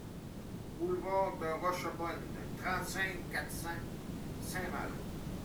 Boulevard de Rochebonne, trente-cinq, quatre cents Saint-Malo